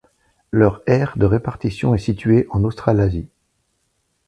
Leur aire de répartition est située en Australasie.